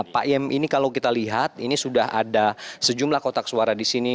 pak yem ini kalau kita lihat ini sudah ada sejumlah kotak suara di sini